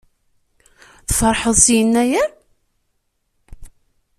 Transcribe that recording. Tfeṛḥeḍ s Yennayer?